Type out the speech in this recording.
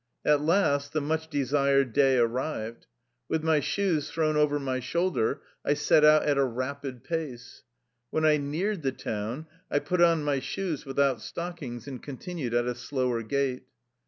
At last the much desired day arrived. With my shoes thrown over my shoulder, I set out at a rapid pace. When I neared the town, I put on my shoes, without stockings, and continued at a slower gait.